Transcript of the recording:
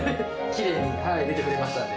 きれいに出てくれましたね。